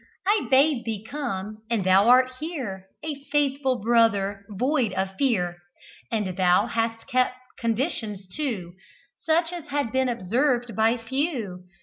I bade thee come: and thou art here, A faithful brother, void of fear; And thou hast kept conditions two, Such as had been observed by few.